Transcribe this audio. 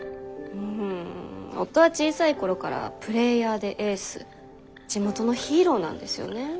うん夫は小さいころからプレーヤーでエース地元のヒーローなんですよね。